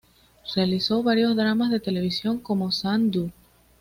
Realizó varios dramas de televisión, como "Sang Doo!